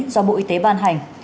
do bộ y tế ban hành